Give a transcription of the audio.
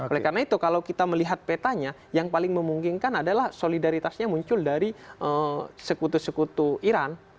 oleh karena itu kalau kita melihat petanya yang paling memungkinkan adalah solidaritasnya muncul dari sekutu sekutu iran